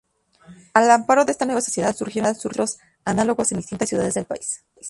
Al amparo de esta nueva sociedad surgieron centros análogos en distintas ciudades del país.